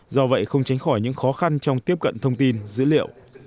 do vậy không tránh khỏi những khó khăn trong tiếp cận thông tin dữ liệu